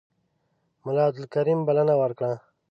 ملا عبدالکریم بلنه ورکړه.